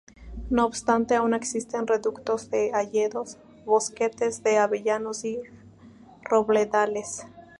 No obstante, aún existen reductos de hayedos, bosquetes de avellanos y robledales.